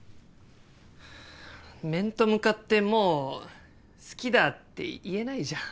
面と向かってもう好きだって言えないじゃん？